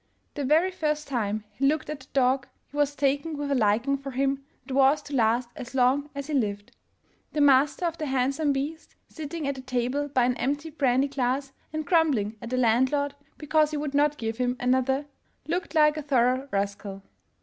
The very first time he looked at the dog, he was taken with a liking for him that was to last as long as he lived. The master of the handsome beast, sitting at the table by an empty brandy glass and grumbling at the landlord because he would not give him another, looked like a thorough rascal.